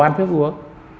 đồ ăn thức uống